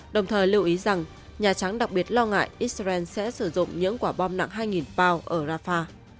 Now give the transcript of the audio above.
đồng thời lưu ý rằng nhà trắng đặc biệt lo ngại israel sẽ sử dụng những quả bom nặng hai pow ở rafah